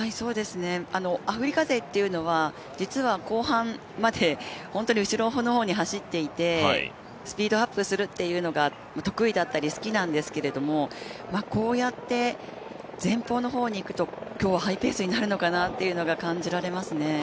アフリカ勢っていうのは実は後半まで本当に後ろの方に走っていて、スピードアップするっていうのが得意だったり好きなんですけどこうやって、前方の方に行くと今日はハイペースになるのかなっていうのが感じられますね。